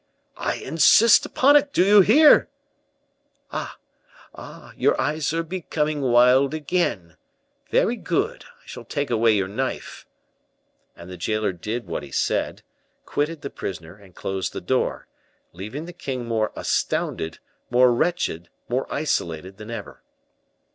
"I insist upon it, do you hear?" "Ah! ah! your eyes are becoming wild again. Very good! I shall take away your knife." And the jailer did what he said, quitted the prisoner, and closed the door, leaving the king more astounded, more wretched, more isolated than ever.